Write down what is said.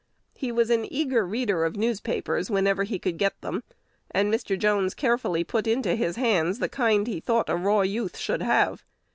He was an eager reader of newspapers whenever he could get them, and Mr. Jones carefully put into his hands the kind he thought a raw youth should have.